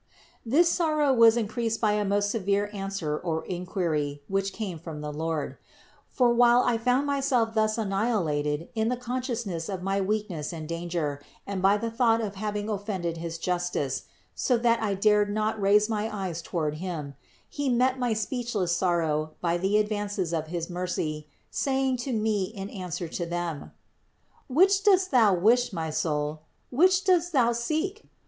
15. This sorrow was increased by a most severe answer or inquiry, which came from the Lord. For while I found myself thus annihilated in the conscious ness of my weakness and danger and by the thought of having offended his justice, so that I dared not raise my eyes toward Him, He met my speechless sorrow by the advances of his mercy, saying to me in answer to them : "Which dost thou wish, my soul? Which dost thou seek?